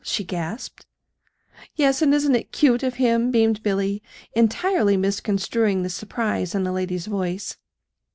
she gasped. "Yes; and isn't it cute of him?" beamed Billy, entirely misconstruing the surprise in the lady's voice.